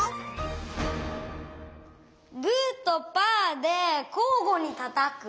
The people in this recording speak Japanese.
グーとパーでこうごにたたく。